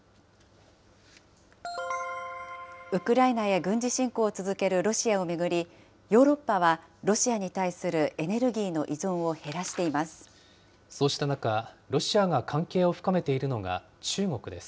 ウクライナへ軍事侵攻を続けるロシアを巡り、ヨーロッパはロシアに対するエネルギーの依存を減らしています。